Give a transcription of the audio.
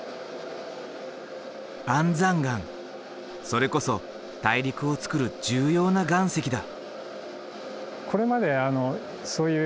それこそ大陸をつくる重要な岩石だ。